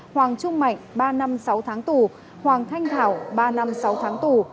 hoàng trung mạnh ba năm sáu tháng tù hoàng thanh thảo ba năm sáu tháng tù